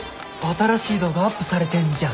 新しい動画アップされてんじゃん。